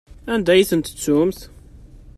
Anda ay ten-tettumt?